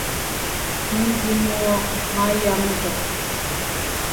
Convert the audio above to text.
Mendzim nwokh ma yam nzokh.